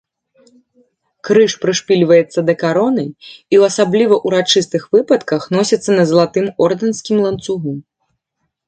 Крыж прышпільваецца да кароны і ў асабліва ўрачыстых выпадках носіцца на залатым ордэнскім ланцугу.